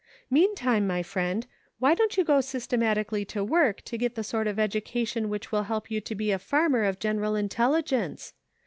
Meantime, my friend, why don't you go systemati cally to work to get the sort of education which will help you to be a farmer of general intelligence